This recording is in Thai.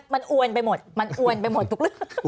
มันอวนไปหมดมันอวนไปหมดทุกเรื่อง